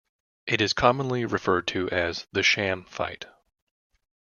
It is commonly referred to as "The Sham Fight".